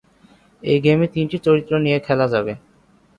এই গেমে তিনটি চরিত্র নিয়ে খেলা যাবে।